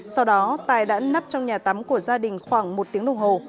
sau đó tài đã nắp trong nhà tắm của gia đình khoảng một tiếng đồng hồ